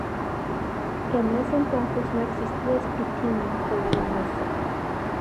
En ese entonces no existía escrutinio sobre la mesa.